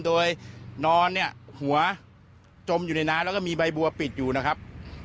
โดยนอนเนี่ยหัวจมอยู่ในน้ำแล้วก็มีใบบัวปิดอยู่นะครับ